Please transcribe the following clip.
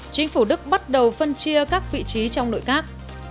chính phủ đức bắt đầu phân chia các vị trí trong nội các